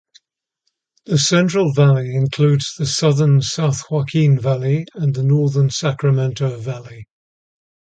The Central Valley includes the southern San Joaquin Valley and the northern Sacramento Valley.